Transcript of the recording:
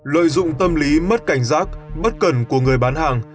lợi dụng tâm lý mất cảnh giác bất cần của người bán hàng